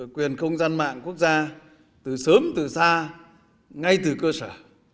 quyền không gian mạng quốc gia từ sớm từ xa ngay từ cơ sở